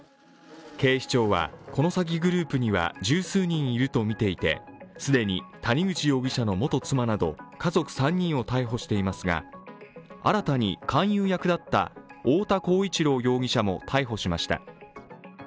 警視庁は、この詐欺グループには十数人いるとみていて既に谷口容疑者の元妻など家族３人を逮捕していますが、新たに勧誘役だった太田浩一朗容疑者も逮捕しました。